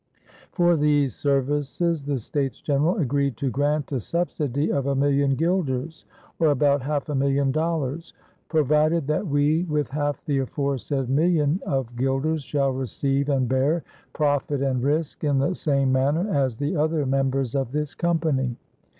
For these services the States General agreed to grant a subsidy of a million guilders, or about half a million dollars, "provided that we with half the aforesaid million of guilders, shall receive and bear profit and risk in the same manner as the other members of this Company."